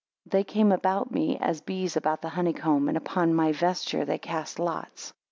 They came about me, as bees about the honey comb: and, Upon my vesture they cast lots.